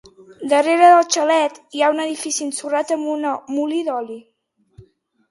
Darrere del xalet, hi ha un edifici ensorrat amb una molí d'oli.